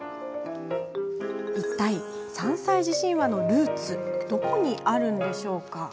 いったい、３歳児神話のルーツはどこにあるのでしょうか。